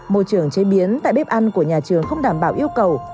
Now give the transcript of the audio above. môi trường chế biến tại bếp ăn của nhà trường không đảm bảo yêu cầu